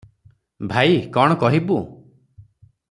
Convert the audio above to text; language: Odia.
ଭାଇ, କଣ କହିବୁଁ!